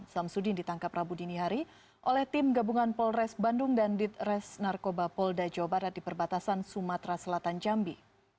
samsudin ditangkap rabu dini hari oleh tim gabungan polres bandung dan ditres narkoba polda jawa barat di perbatasan sumatera selatan jambi